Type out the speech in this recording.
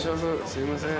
すいません。